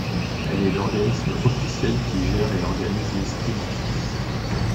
Elle est l'organisme officiel qui gère et organise l'escrime en Suisse.